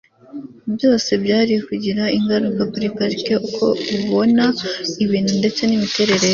byose byari kugira ingaruka kuri parker uko abona ibintu ndetse n'imiterere ye